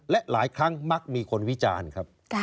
และหลายครั้งมักมีคนวิจารณ์ครับ